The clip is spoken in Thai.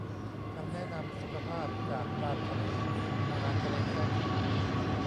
คำแนะนำสุขภาพ จาก พรานทะเล อาหารทะเลแช่แข็ง